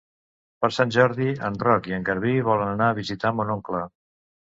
Per Sant Jordi en Roc i en Garbí volen anar a visitar mon oncle.